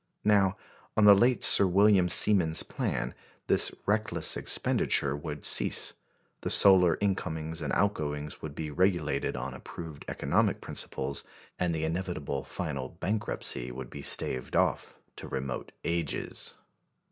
Now, on the late Sir William Siemens's plan, this reckless expenditure would cease; the solar incomings and outgoings would be regulated on approved economic principles, and the inevitable final bankruptcy would be staved off to remote ages.